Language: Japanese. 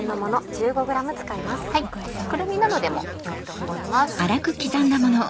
クルミなどでもよいと思います。